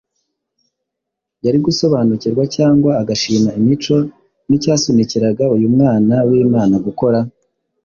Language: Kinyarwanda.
yari gusobanukirwa cyangwa agashima imico n’icyasunikiraga uyu mwana w’Imana gukora?